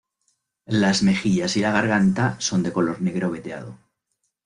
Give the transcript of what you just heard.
Las mejillas y la garganta son de color negro veteado.